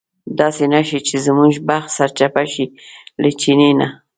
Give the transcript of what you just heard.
داسې نه شي چې زموږ بخت سرچپه شي له چیني نه.